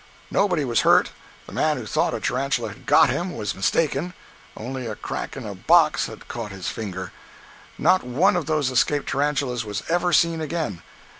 Nobody was hurt. The man who thought a tarantula had "got him" was mistaken—only a crack in a box had caught his finger. Not one of those escaped tarantulas was ever seen again.